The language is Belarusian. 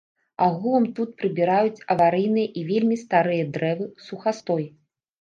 Агулам тут прыбіраюць аварыйныя і вельмі старыя дрэвы, сухастой.